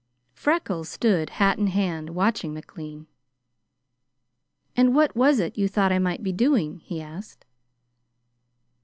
Freckles stood, hat in hand, watching McLean. "And what was it you thought I might be doing?" he asked.